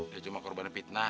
ya cuma korban pitnah